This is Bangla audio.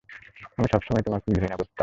আমি সবসময়েই তোমাকে ঘৃণা করতাম।